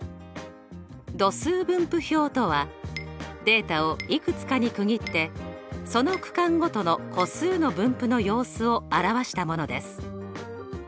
度数分布表とはデータをいくつかに区切ってその区間ごとの個数の分布の様子を表したものです。